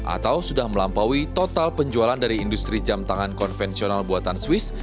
atau sudah melampaui total penjualan dari industri jam tangan konvensional buatan swiss